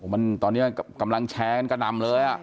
มันตอนนี้กำลังแชร์กันกระหน่ำเลย